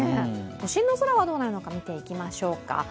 都心の空はどうなるのか、見ていきましょうか。